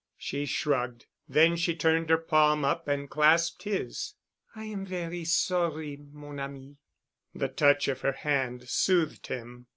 She shrugged. Then she turned her palm up and clasped his. "I am ver' sorry, mon ami." The touch of her hand soothed him.